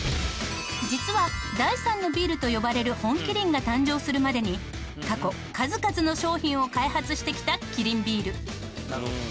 実は第３のビールと呼ばれる本麒麟が誕生するまでに過去数々の商品を開発してきたキリンビール。